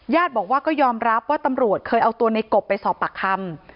บอกว่าก็ยอมรับว่าตำรวจเคยเอาตัวในกบไปสอบปากคำ